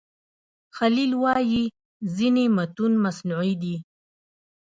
خلیل وايي ځینې متون مصنوعي دي.